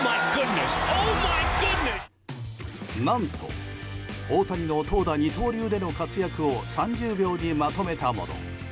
何と、大谷の投打二刀流での活躍を３０秒にまとめたもの。